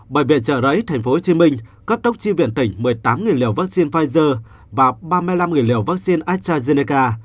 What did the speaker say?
bệnh viện trợ rẫy tp hcm cấp tốc chi viện tỉnh một mươi tám liều vaccine pfizer và ba mươi năm liều vaccine astrazeneca